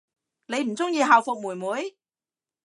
你唔鍾意校服妹妹？